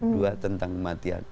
dua tentang kematian